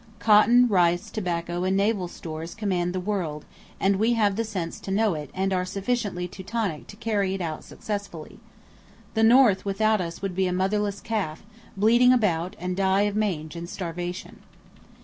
Cotton, rice, tobacco, and naval stores command the world; and we have the sense to know it and are sufficiently Teutonic to carry it out successfully. The North without us would be a motherless calf, bleating about, and die of mange and starvation."